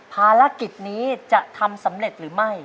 ภารกิจนี้จะทำสำเร็จหรือไม่